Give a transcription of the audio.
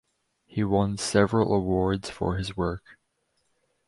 He won several awards for his work.